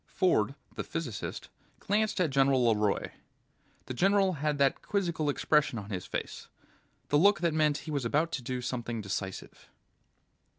Ford, the physicist, glanced at General LeRoy. The general had that quizzical expression on his face, the look that meant he was about to do something decisive.